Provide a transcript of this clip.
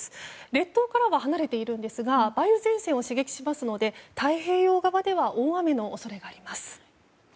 列島からは離れているんですが梅雨前線を刺激しますので太平洋側では大雨の恐れがあります。